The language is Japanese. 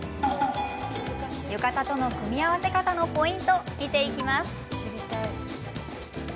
浴衣との組み合わせ方のポイント見ていきます。